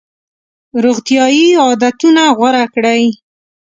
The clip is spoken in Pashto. روغتیایي عادتونه غوره کړئ.